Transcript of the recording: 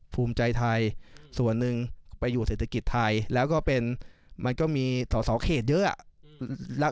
ฟูมิใจไทยส่วนนึงไปอยู่เศรษฐกิจไทยแล้วก็มีสอบสอบเขตเยอะ